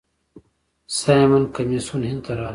سایمن کمیسیون هند ته راغی.